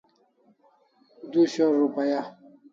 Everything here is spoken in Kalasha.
Du shor rupaya